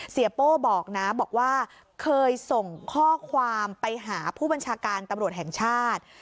โป้บอกนะบอกว่าเคยส่งข้อความไปหาผู้บัญชาการตำรวจแห่งชาติ